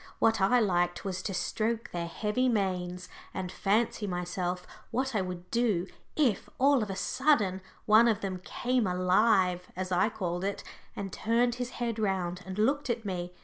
What I liked was to stroke their heavy manes and fancy to myself what I would do if, all of a sudden, one of them "came alive," as I called it, and turned his head round and looked at me.